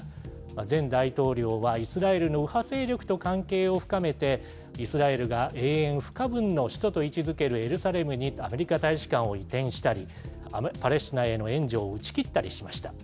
前大統領はイスラエルの右派勢力と関係を深めて、イスラエルが永遠不可分の首都と位置づけるエルサレムにアメリカ大使館を移転したり、パレスチナへの援助を打ち切ったりしました。